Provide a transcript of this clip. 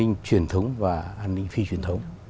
an ninh truyền thống và an ninh phi truyền thống